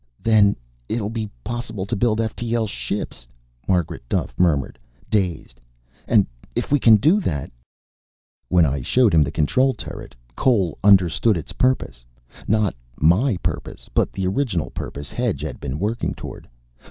"Then it'll be possible to build ftl ships," Margaret Duffe murmured, dazed. "And if we can do that " "When I showed him the control turret, Cole understood its purpose. Not my purpose, but the original purpose Hedge had been working toward.